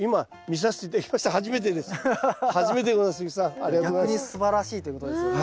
逆にすばらしいということですよね。